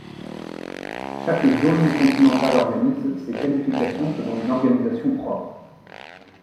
Chaque zone continentale organise ses qualifications selon une organisation propre.